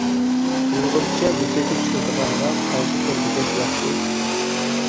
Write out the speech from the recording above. ئۇيغۇرچە مۇزىكا چۈشۈرىدىغانغا قايسى تور بېكەت ياخشى؟